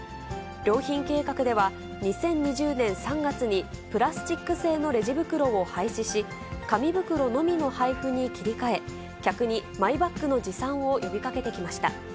良品計画では２０２０年３月に、プラスチック製のレジ袋を廃止し、紙袋のみの配布に切り替え、客にマイバッグの持参を呼びかけてきました。